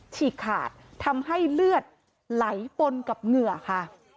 ฉีกขาดทำให้เลือดไหลปนกับเหงื่อค่ะ